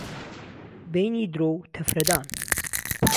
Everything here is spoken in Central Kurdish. بهینی درۆ و تهفره دان